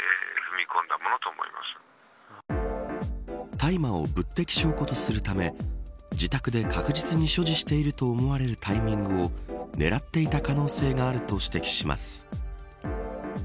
大麻を物的証拠とするため自宅で確実に所持していると思われるタイミングを狙っていた可能性があると指摘します。